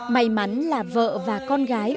may mắn là vợ và con gái